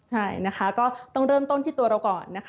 ใช่ก็ต้องเริ่มต้นที่ตัวเราก่อน